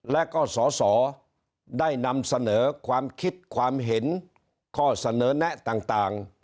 และก็สอสอได้นำเสนอความคิดความเห็นข้อเสนอแนะต่าง